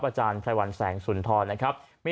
อาจารย์ไพรวันแสงสุนทร